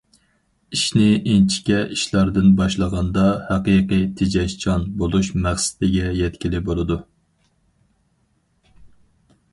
ئىشنى ئىنچىكە ئىشلاردىن باشلىغاندا، ھەقىقىي تېجەشچان بولۇش مەقسىتىگە يەتكىلى بولىدۇ.